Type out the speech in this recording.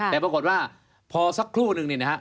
แต่ปรากฏว่าพอสักครู่นึง